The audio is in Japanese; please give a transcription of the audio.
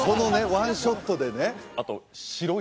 １ショットでね